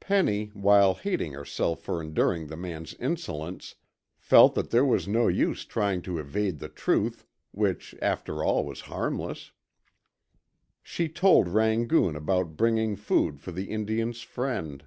Penny, while hating herself for enduring the man's insolence, felt that there was no use trying to evade the truth, which after all was harmless. She told Rangoon about bringing food for the Indian's friend.